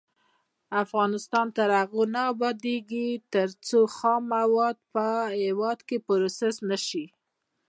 افغانستان تر هغو نه ابادیږي، ترڅو خام مواد په هیواد کې پروسس نشي.